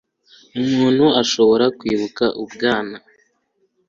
Umuntu udashobora kwibuka ubwana